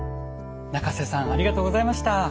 仲瀬さんありがとうございました。